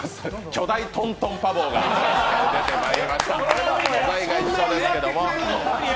巨大トン・トン・パッ棒が出てまいりました。